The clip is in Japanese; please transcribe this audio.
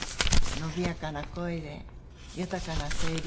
伸びやかな声で豊かな声量で。